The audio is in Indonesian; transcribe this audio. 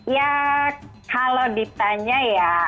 ya kalau ditanya ya